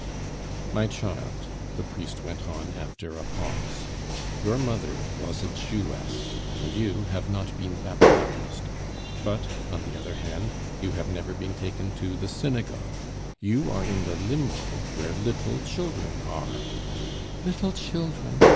"My child," the priest went on after a pause, "your mother was a Jewess, and you have not been baptized; but, on the other hand, you have never been taken to the synagogue. You are in the limbo where little children are " "Little children!"